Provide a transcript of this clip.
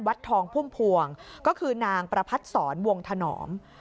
วัดทองพุ่มพวงก็คือนางประพัดศรวงถนอม